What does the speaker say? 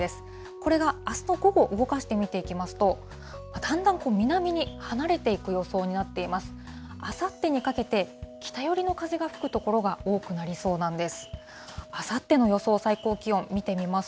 これがあすの午後、動かしてみますと、だんだん南に離れていく予想になっています。